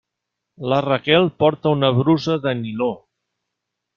La Raquel porta una brusa de niló.